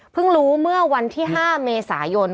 รู้เมื่อวันที่๕เมษายน